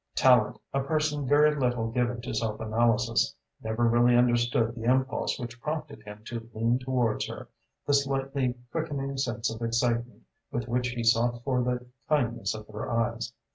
Tallente, a person very little given to self analysis, never really understood the impulse which prompted him to lean towards her, the slightly quickening sense of excitement with which he sought for the kindness of her eyes.